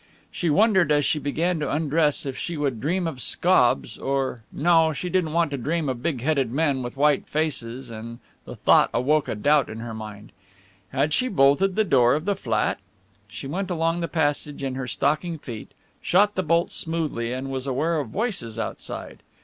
She wondered as she began to undress if she would dream of Scobbs or no, she didn't want to dream of big headed men with white faces, and the thought awoke a doubt in her mind. Had she bolted the door of the flat? She went along the passage in her stockinged feet, shot the bolts smoothly and was aware of voices outside.